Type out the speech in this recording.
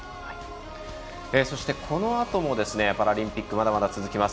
そして、このあともパラリンピックまだまだ続きます。